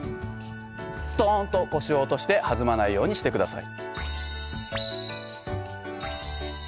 すとんと腰を落として弾まないようにして下さい。